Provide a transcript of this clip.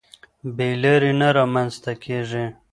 بې لارۍ نه رامنځته کېږي.